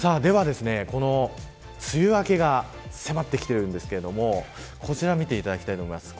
梅雨明けが迫ってきているんですけどこちらを見ていただきたいと思います。